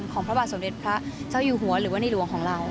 พระบาทสมเด็จพระเจ้าอยู่หัวหรือว่าในหลวงของเรา